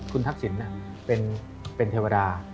คุณทักษิณเป็นเทวดา